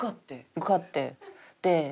受かって。